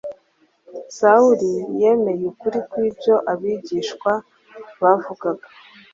Sawuli yemeye ukuri kw’ibyo abigishwa bavugaga.